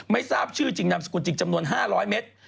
ไม่ทราบชื่อจริงนามสกุลจริงจำนวน๕๐๐เมตร